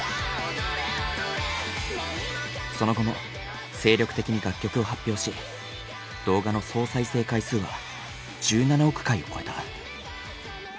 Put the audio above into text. その後も精力的に楽曲を発表し動画の総再生回数は１７億回を超えた。